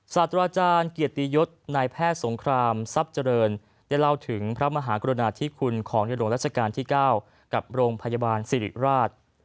ศาสตราจารย์เกียรติยศนายแพทย์สงครามทรัพย์เจริญได้เล่าถึงพระมหากรุณาธิคุณของในหลวงราชการที่๙กับโรงพยาบาลสิริราช